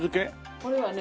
これはね